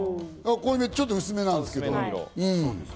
ちょっと薄めなんですけど。